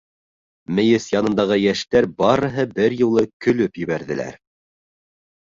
Мейес янындағы йәштәр барыһы бер юлы көлөп ебәрҙеләр.